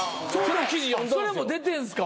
それも出てんすか？